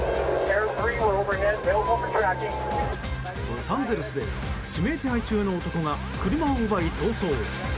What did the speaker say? ロサンゼルスで指名手配中の男が車を奪い逃走。